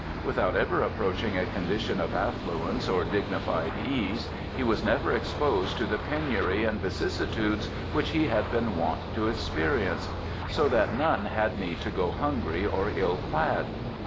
Without ever approaching a condition of affluence or dignified ease, he was never exposed to the penury and vicissitudes which he had been wont to experience; so that none had need to go hungry or ill clad.